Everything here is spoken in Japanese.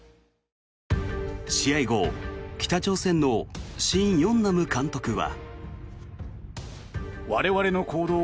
試合後、北朝鮮のシン・ヨンナム監督は。